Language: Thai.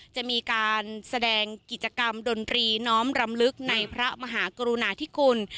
จะมีการแสดงกิจกรรมดนตรีน้อมรำลึกในพระมหากรุณาธิคุณ